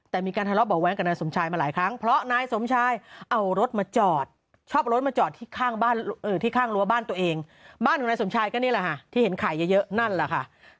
แต่มีการทะเลาะบ่อยแว้งกับนายสมชายมาหลายครั้ง